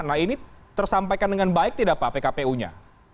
nah ini tersampaikan dengan baik tidak pak pkpu nya